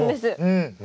うん。